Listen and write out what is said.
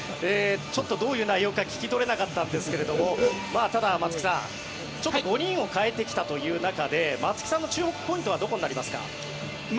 ちょっとどういう内容か聞き取れなかったんですがただ松木さん、５人を代えてきたという中で松木さんの注目ポイントはどこになりますか？